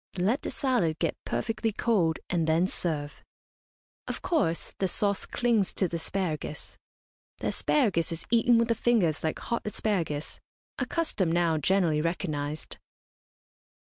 Let the salad get perfectly cold, and then serve. Of course, the sauce clings to the asparagus. The asparagus is eaten with the fingers like hot asparagus a custom now generally recognised.